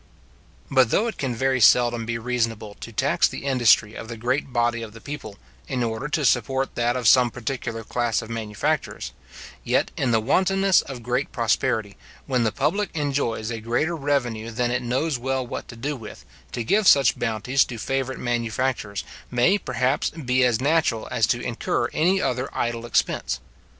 But though it can very seldom be reasonable to tax the industry of the great body of the people, in order to support that of some particular class of manufacturers; yet, in the wantonness of great prosperity, when the public enjoys a greater revenue than it knows well what to do with, to give such bounties to favourite manufactures, may, perhaps, be as natural as to incur any other idle expense.